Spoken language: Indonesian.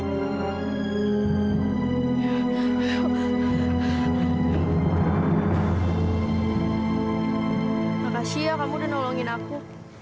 terima kasih pak kamu sudah menolong aku